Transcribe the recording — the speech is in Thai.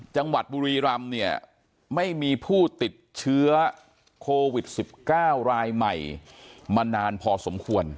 จังหวัดบุรีรำเนี่ยไม่มีผู้ติดเชื้อโควิด๑๙รายใหม่มานานพอสมควร